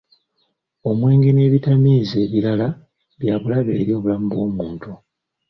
Omwenge n'ebitamiiza ebirala byabulabe eri obulamu bw'omuntu.